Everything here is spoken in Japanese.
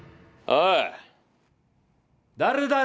おい！